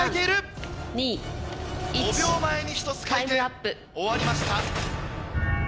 ３・２・１５秒前に１つ書いて終わりました。